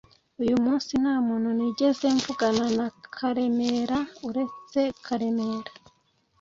Uyu munsi nta muntu nigeze mvugana na Karemera uretse Karemera